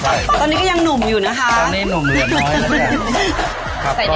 ใช่ตอนนี้ก็ยังหนุ่มอยู่นะคะตอนนี้หนุ่มเหลือน้อยแล้วแหละใส่ในหมู